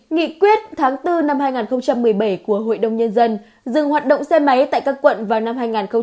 nghị quyết tháng bốn năm hai nghìn một mươi bảy của hội đồng nhân dân dừng hoạt động xe máy tại các quận vào năm hai nghìn một mươi bảy